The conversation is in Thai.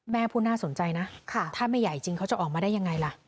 พูดน่าสนใจนะถ้าไม่ใหญ่จริงเขาจะออกมาได้ยังไงล่ะ